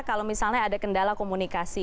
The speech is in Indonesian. kalau misalnya ada kendala komunikasi